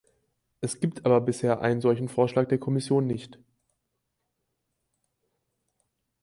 Es gibt aber bisher einen solchen Vorschlag der Kommission nicht.